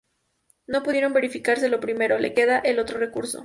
No pudiendo verificarse lo primero, le quedaba el otro recurso.